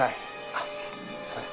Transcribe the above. あっすいません。